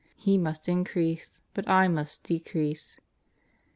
He must increase, but I must decrease."